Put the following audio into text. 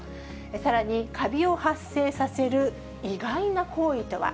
さらにかびを発生させる意外な行為とは。